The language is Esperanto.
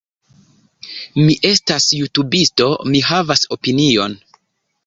Mi estas jutubisto. Mi havas opinion.